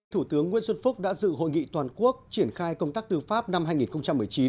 thủ tướng nguyễn xuân phúc đã dự hội nghị toàn quốc triển khai công tác tư pháp năm hai nghìn một mươi chín